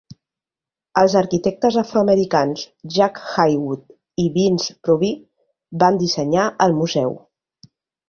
Els arquitectes afroamericans Jack Haywood i Vince Proby van dissenyar el museu.